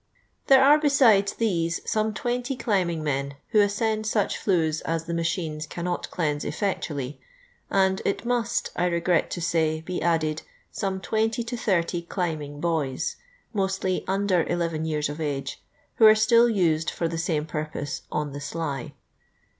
! There are, besides these, some 20 climbing men, who ascend snch flues as the machines cannot cleanse effectually', and, it must, I regret to say, be added, some iiO to 30 climbing boys, mostly under eleven years of age, who are still used for the same purpose "on the sly."